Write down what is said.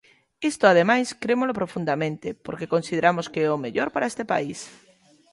Isto, ademais, crémolo profundamente, porque consideramos que é o mellor para este país.